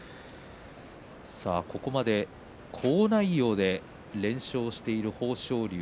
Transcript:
ここまで好内容で連勝している豊昇龍